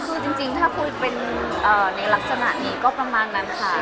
ก็คือจริงคุยในลักษณะนี้ก็ประมาณนั้นค่ะ